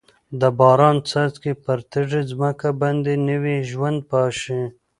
د باران څاڅکي پر تږې ځمکه باندې نوي ژوند پاشي.